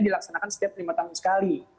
dilaksanakan setiap lima tahun sekali